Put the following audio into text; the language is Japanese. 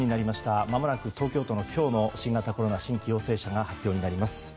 まもなく東京都の新型コロナ新規陽性者が発表になります。